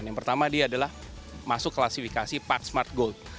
yang pertama dia adalah masuk klasifikasi park smart gold